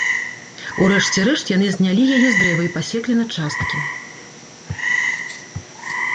У рэшце рэшт яны знялі яе з дрэва і пасеклі на часткі.